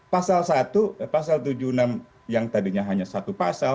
pasal satu pasal tujuh puluh enam yang tadinya hanya satu pasal